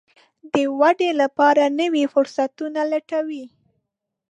د ودې لپاره نوي فرصتونه لټوي.